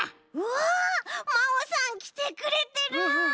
わまおさんきてくれてる！